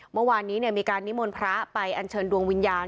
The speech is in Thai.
เมื่อวานนี้มีการนิมนต์พระไปอัญเชิญดวงวิญญาณ